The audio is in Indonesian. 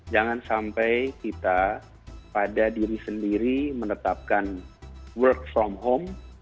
jangan sampai kita pada diri sendiri menetapkan work from home